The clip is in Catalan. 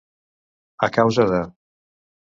A causa de.